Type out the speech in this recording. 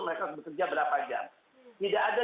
mereka harus bekerja berapa jam tidak ada